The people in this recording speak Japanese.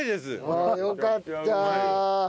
ああよかった。